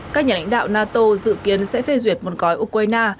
các nhà lãnh đạo nato dự kiến sẽ phê duyệt một gói ukraine